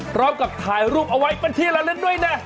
พร้อมกับถ่ายรูปเอาไว้เป็นที่ละลึกด้วยนะ